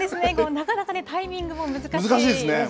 なかなかね、タイミングも難しいですよね。